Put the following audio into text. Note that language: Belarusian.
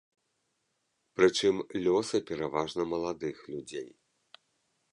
Прычым, лёсы пераважна маладых людзей.